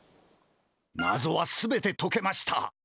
なぞはすべてとけました。